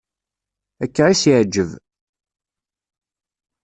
Akka i s-iεǧeb.